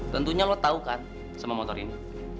tentunya lo tau kan sama motor ini